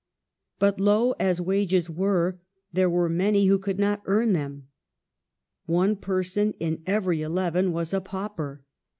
But, low as wages were, there were many who could not earn them. One person in every eleven was a pauper.